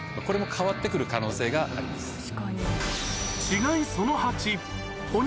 これも変わって来る可能性があります。